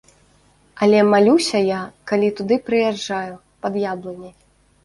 Але малюся я, калі туды прыязджаю, пад яблыняй.